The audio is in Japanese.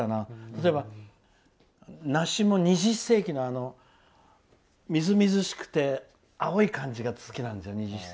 例えば、なしも二十世紀のみずみずしくて青い感じが好きなんだよね。